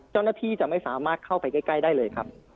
เจ้าหน้าที่จะไม่สามารถเข้าไปใกล้ได้เลยครับ